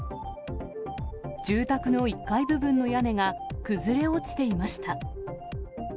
住宅の１階部分の屋根が崩れ落ちていました。